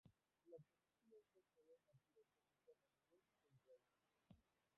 La película es basada en la tira cómica Daniel el Travieso.